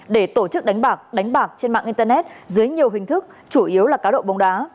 để tổ chức đánh bạc trên mạng internet dưới nhiều hình thức chủ yếu là cá độ bóng đá